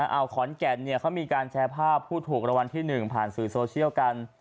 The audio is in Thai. เอาขอนแก่นเขามีการแชร์ภาพผู้ถูกรางวัลที่๑ผ่านสื่อโซเชียลกัน